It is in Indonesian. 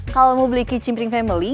kalau mau beli kicimpring family